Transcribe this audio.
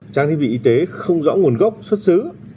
trang thiết bị y tế không rõ nguồn gốc xuất xứ